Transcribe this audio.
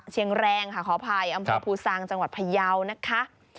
เชียงแรงค่ะขออภัยอำภพูซางจังหวัดพะเยานะคะ